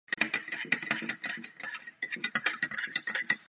Oba šampioni dosáhli na premiérový grandslamový titul z mužské čtyřhry.